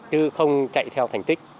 chứ không chạy theo thành tích